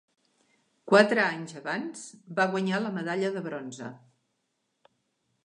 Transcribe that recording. Quatre anys abans va guanyar la medalla de bronze.